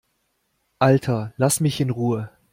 Alter, lass mich in Ruhe!